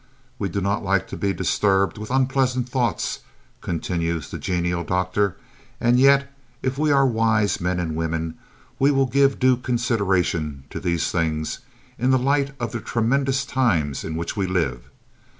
"We do not like to be disturbed with unpleasant thoughts," continues the genial doctor, "and yet, if we are wise men and women, we will give due consideration to these things, in the light of the tremendous times in which we live.